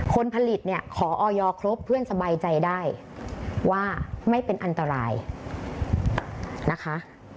คนผลิตเนี่ยขอออยครบเพื่อนสบายใจได้ว่าไม่เป็นอันตรายนะคะ